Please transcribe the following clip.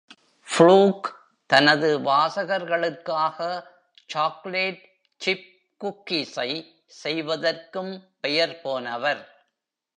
ஃப்ளூக் தனது வாசகர்களுக்காக chocolate chip குக்கீஸை செய்வதற்கும் பெயர் போனவர்.